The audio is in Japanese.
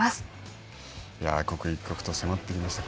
刻一刻と迫ってきました。